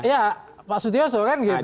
ya pak sutioso kan gitu